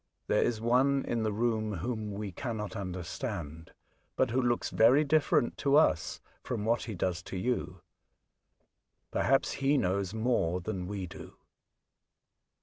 There is one in the room whom we cannot understand, but who looks very different to us from what he Oxford, 33 does to you. Perhaps lie knows more than we do."